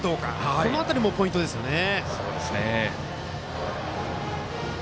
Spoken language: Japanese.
この辺りもポイントですよね。